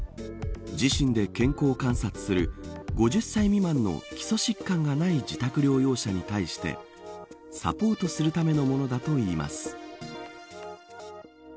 自身で健康観察する５０歳未満の基礎疾患がない自宅療養者に対してサポートするためのものだといいます。